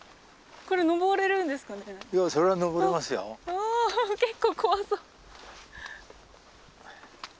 あ結構怖そう。